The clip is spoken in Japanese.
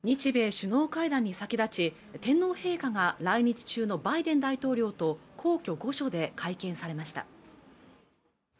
日米首脳会談に先立ち天皇陛下が来日中のバイデン大統領と皇居御所で会見されました